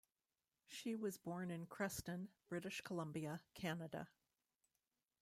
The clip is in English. She was born in Creston, British Columbia, Canada.